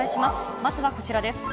まずはこちらです。